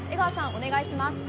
お願いします。